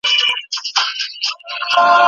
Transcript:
وزیران ولي مجلس ته غوښتل کیږي؟